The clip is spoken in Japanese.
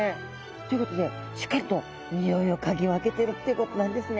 ということでしっかりとにおいを嗅ぎ分けてるっていうことなんですね。